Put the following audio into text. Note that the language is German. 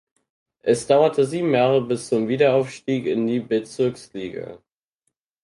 Es dauerte sieben Jahre bis zum Wiederaufstieg in die Bezirksliga.